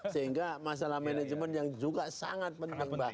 sehingga masalah manajemen yang juga sangat penting mbak